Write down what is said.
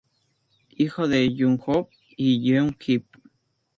Hijo de Jung Ho y Yeon Hee.